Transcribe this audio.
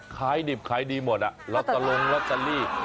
ขายดิบขายดีหมดลอตลงลอตเตอรี่